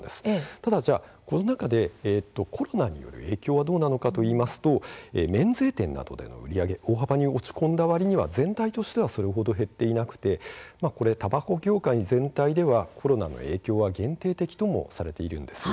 ただこの中でコロナによる影響はどうなのかといいますと免税店などでの売り上げが大幅に落ち込んだわりには全体としてはそれほど減っていなくてたばこ業界全体ではコロナの影響は限定的ともされているんです。